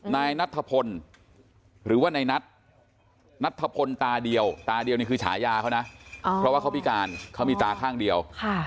นายนัทธพลหรือว่าในนัทนัทธพลตาเดียวตาเดียวนี่คือฉายาเขานะเพราะว่าเขาพิการเขามีตาข้างเดียว